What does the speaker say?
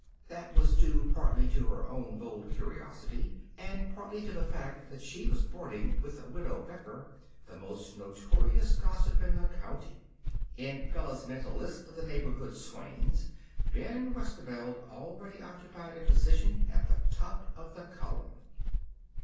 That was due partly to her own bold curiosity and partly to the fact that she was boarding with the Widow Becker, the most notorious gossip in the county. In Bella's mental list of the neighborhood swains Ben Westerveld already occupied a position at the top of the column.